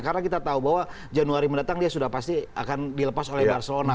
karena kita tahu bahwa januari mendatang dia sudah pasti akan dilepas oleh barcelona